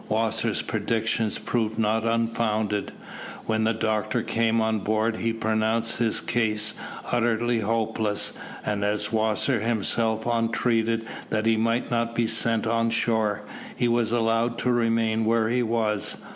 Wasser's predictions proved not unfounded. When the doctor came on board he pronounced his case utterly hopeless, and as Wasser himself entreated that he might not be sent on shore, he was allowed to remain where he was.